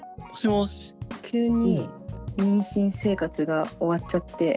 急に妊娠生活が終わっちゃって。